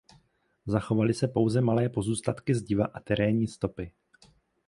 Zachovaly se pouze malé pozůstatky zdiva a terénní stopy.